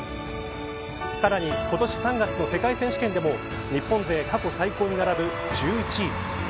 さらに今年３月の世界選手権でも日本勢過去最高に並ぶ１１位。